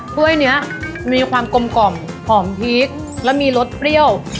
สวยอันนี้มีความกลมหอมพริกและมีรสเปรี้ยว